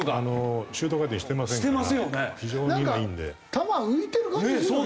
球浮いてる感じするよね。